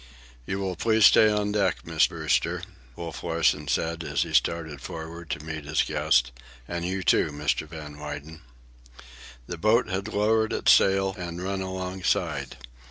"You will please stay on deck, Miss Brewster," Wolf Larsen said, as he started forward to meet his guest. "And you too, Mr. Van Weyden." The boat had lowered its sail and run alongside.